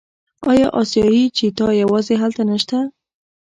آیا اسیایي چیتا یوازې هلته نشته؟